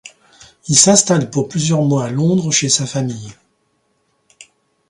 Il s'installe pour plusieurs mois à Londres chez sa famille.